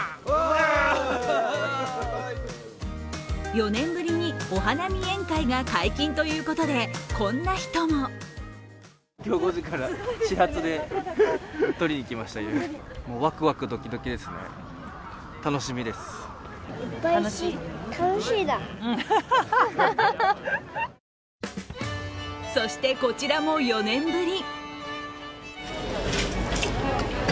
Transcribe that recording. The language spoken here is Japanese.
４年ぶりにお花見宴会が解禁ということでこんな人もそしてこちらも４年ぶり。